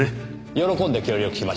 喜んで協力しましょう。